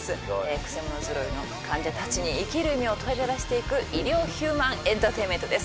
くせ者ぞろいの患者たちに生きる意味を問いただしていく医療ヒューマンエンターテインメントです